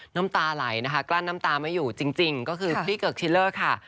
น้ำตาไหลนะคะกลั้นน้ำตาไม่อยู่จริงก็คือพี่เกิกชิลเลอร์ค่ะ